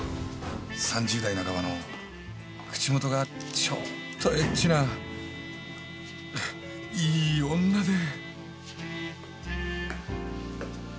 ３０代半ばの口元がちょーっとエッチないい女で。